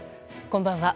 こんばんは。